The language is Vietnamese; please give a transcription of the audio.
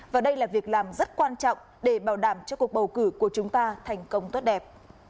và đây là việc làm rất quan trọng để bảo đảm cho cuộc bầu cử của chúng ta thành công tốt đẹp